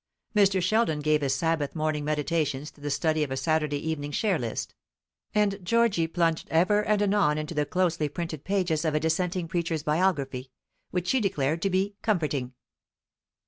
Mr. Sheldon gave his Sabbath morning meditations to the study of a Saturday evening share list; and Georgy plunged ever and anon into the closely printed pages of a Dissenting preacher's biography, which she declared to be "comforting."